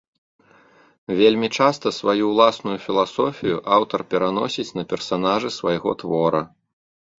Вельмі часта сваю ўласную філасофію аўтар пераносіць на персанажы свайго твора.